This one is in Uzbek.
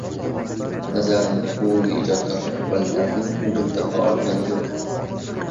nazarimda bugungi ijodkorlar bolalarning ko‘nglini topa olgani yo‘q.